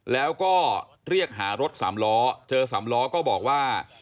แล้วก็เรียกหารถสามล้อเจอสามล้อก็บอกว่า